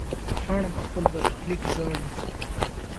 پاڼه په خپل برخلیک ژاړي.